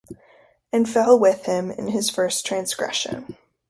and fell with him, in his first transgression.